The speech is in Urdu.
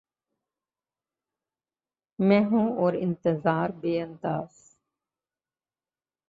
میں ہوں اور انتظار بے انداز